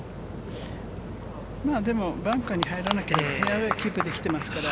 でも、バンカーに入らなければフェアウエーキープできてますから。